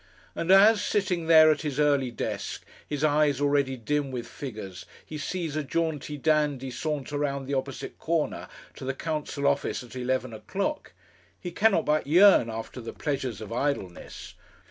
And as, sitting there at his early desk, his eyes already dim with figures, he sees a jaunty dandy saunter round the opposite corner to the Council Office at eleven o'clock, he cannot but yearn after the pleasures of idleness.